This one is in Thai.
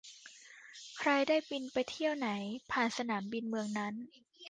ใครได้บินไปเที่ยวไหน ผ่านสนามบินเมืองนั้น